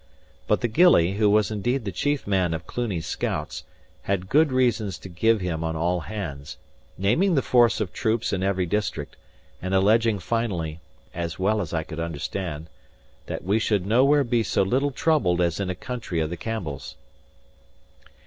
But the gillie, who was indeed the chief man of Cluny's scouts, had good reasons to give him on all hands, naming the force of troops in every district, and alleging finally (as well as I could understand) that we should nowhere be so little troubled as in a country of the Campbells.